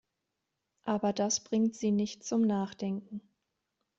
Aber das bringt sie nicht zum Nachdenken.